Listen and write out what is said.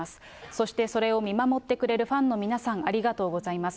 そして、それを見守ってくれるファンの皆さん、ありがとうございます。